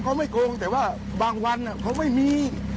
เขาไม่โกงแต่ว่าบางวันเขาไม่มี